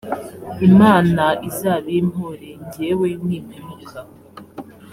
imana izabimpore jyewe nimpemuka.